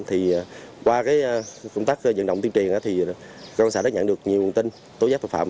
thì qua công tác nhận động tiêu triền công an xã đã nhận được nhiều nguồn tin tối giác tội phạm